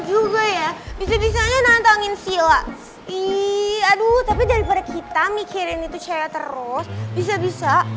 juga ya bisa bisanya nantangin silat iya aduh tapi daripada kita mikirin itu cewek terus bisa bisa